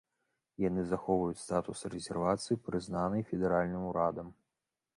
Яны захоўваюць статус рэзервацыі, прызнанай федэральным урадам.